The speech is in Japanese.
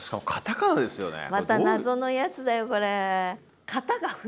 また謎のやつだよこれ。